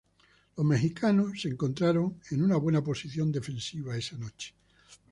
Los mexicanos se encontraron en una buena posición defensiva esa noche.